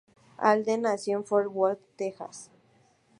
Alden nació en Fort Worth, Texas.